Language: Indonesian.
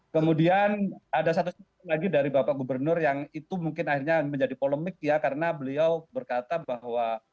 kemudian ada satu lagi dari bapak gubernur yang itu mungkin akhirnya menjadi polemik ya karena beliau berkata bahwa